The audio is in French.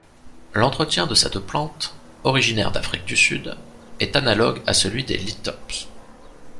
L'entretien de cette plante, originaire d'Afrique du Sud, est analogue à celui des Lithops.